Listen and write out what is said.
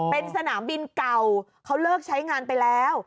เป็นสนามบินเก่าเขาเลิกใช้งานไปแล้ว